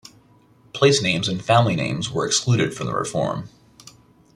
Place names and family names were excluded from the reform.